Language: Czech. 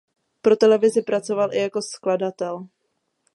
Pro televizi pracoval i jako skladatel.